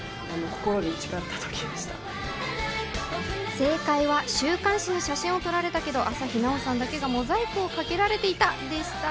正解は、週刊誌に写真を撮られたけど朝日奈央さんだけがモザイクをかけられていたでした。